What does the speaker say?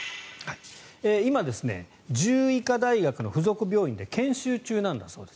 今、獣医科大学の附属病院で研修中なんだそうです。